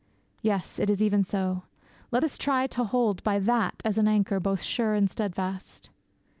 Yes, it is even so. Let us try to hold by that as an anchor both sure and steadfast.'